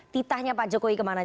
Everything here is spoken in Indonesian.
titahnya pak jokowi kemana